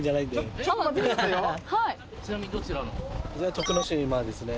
徳之島ですね。